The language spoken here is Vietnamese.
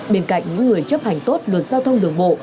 bên cạnh những người chấp hành tốt luật giao thông đường bộ